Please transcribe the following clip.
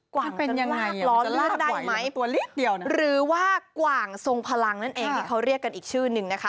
กว่างจะลากล้อเลื่อนได้ไหมหรือว่ากว่างทรงพลังนั่นเองนี่เขาเรียกกันอีกชื่อนึงนะคะ